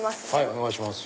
お願いします。